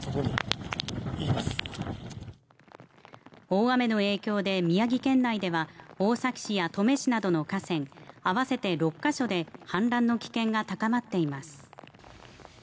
大雨の影響で宮城県内では大崎市や登米市などの河川合わせて６か所で氾濫の危険が高まっています。